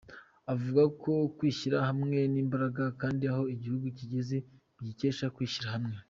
Avuga ko kwishyira hamwe ari imbaraga kandi aho igihugu kigeze kibikesha kwishyira hamwe.